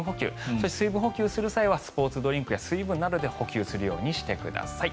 そして、水分補給をする際はスポーツドリンクや水分などで補給するようにしてください。